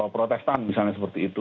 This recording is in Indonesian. protestan misalnya seperti itu